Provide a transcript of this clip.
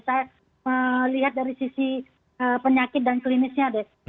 saya melihat dari sisi penyakit dan klinisnya deh